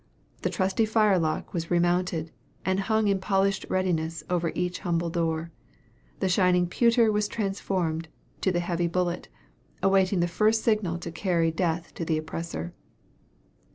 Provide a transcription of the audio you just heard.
The trusty firelock was remounted, and hung in polished readiness over each humble door. The shining pewter was transformed to the heavy bullet, awaiting the first signal to carry death to the oppressor.